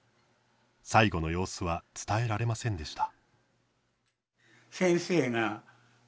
最期の様子は伝えられませんでした。